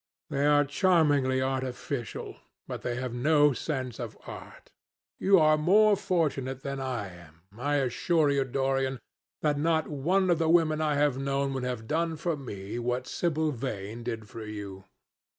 They are charmingly artificial, but they have no sense of art. You are more fortunate than I am. I assure you, Dorian, that not one of the women I have known would have done for me what Sibyl Vane did for you.